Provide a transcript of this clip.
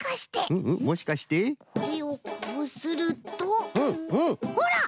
これをこうするとほら！